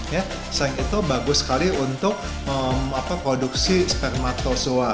yang itu bagus sekali untuk produksi spermatozoa